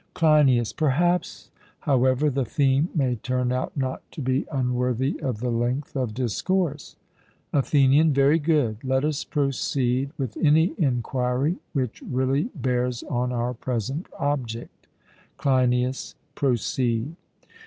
CLEINIAS: Perhaps, however, the theme may turn out not to be unworthy of the length of discourse. ATHENIAN: Very good; let us proceed with any enquiry which really bears on our present object. CLEINIAS: Proceed.